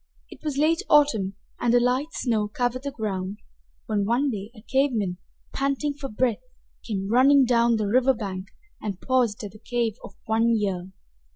It was late autumn, and a light snow covered the ground, when one day a cave man, panting for breath, came running down the river bank and paused at the cave of One Ear.